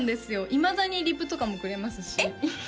いまだにリプとかもくれますしえっ？